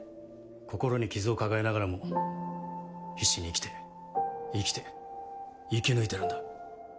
心に傷を抱えながらも必死に生きて生きて生き抜いてるんだ。